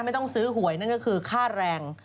ไม่ต้องซื้อหวยนั่นก็คือค่าแรง